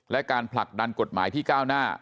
และการผลักดันกฎหมายที่ก้าวหน้า